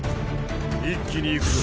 一気にいくぞ。